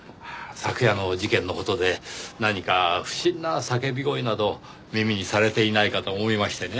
昨夜の事件の事で何か不審な叫び声など耳にされていないかと思いましてね。